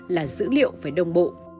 là dữ liệu phải đồng bộ